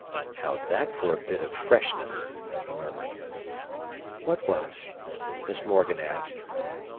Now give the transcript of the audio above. "How's that for a bit of freshness?" he murmured. "What was?" Miss Morgan asked.